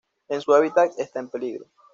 En su hábitat está en peligro.